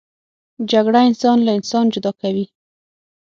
جګړه انسان له انسان جدا کوي